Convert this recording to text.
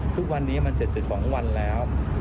ทุกวันนี้มัน๗๒วันแล้ว